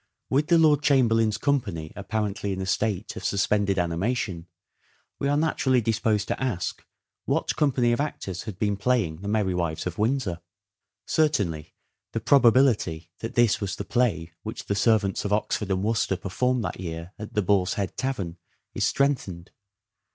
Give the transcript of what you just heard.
With the Lord Chamberlain's company apparently in a state of suspended animation, we are naturally disposed to ask, what company of actors had been playing " The Merry Wives of Windsor "? Certainly the probability that this was the play which the servants of Oxford and Worcester performed that year at the Boar's Head tavern is strengthened.